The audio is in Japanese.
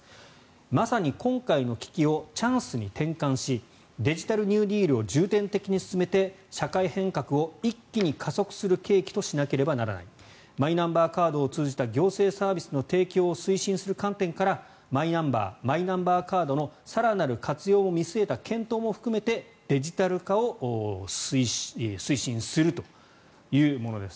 まさに今回の危機をチャンスに転換しデジタルニューディールを重点的に進めて社会変革を一気に加速する契機としなければならないマイナンバーカードを通じた行政サービスの提供を推進する観点からマイナンバーマイナンバーカードの更なる活用を見据えた検討も含めて、デジタル化を推進するというものです。